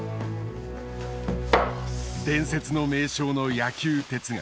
伝説の名将の野球哲学。